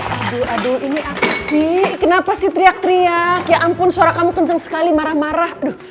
aduh aduh ini aku sih kenapa sih teriak teriak ya ampun suara kamu kenceng sekali marah marah